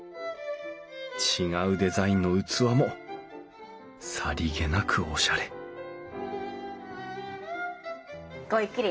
違うデザインの器もさりげなくおしゃれごゆっくり。